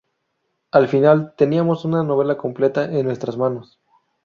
Al final teníamos una novela completa en nuestras manos.